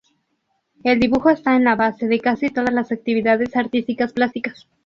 El dibujo está en la base de casi todas las actividades artísticas plásticas.